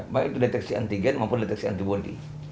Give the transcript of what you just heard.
baik itu deteksi antigen maupun deteksi antibody